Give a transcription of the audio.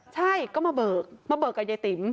ใช่ก็มาเบิกกับไอ้ติ๋ม